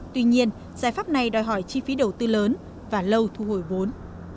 tuy nhiên giải pháp này đòi hỏi chi phí đầu tư lớn và lâu thu hồi vốn